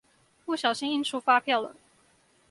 不小心印出發票了